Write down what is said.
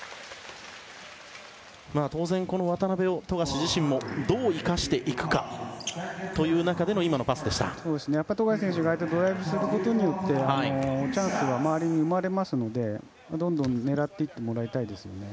当然、渡邊を富樫自身もどう生かしていくかという中での富樫選手がドライブすることによってチャンスは周りに生まれますのでどんどん狙っていってもらいたいですね。